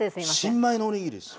新米のおにぎりですよ。